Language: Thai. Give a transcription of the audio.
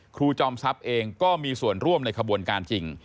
จอมทรัพย์เองก็มีส่วนร่วมในขบวนการจริง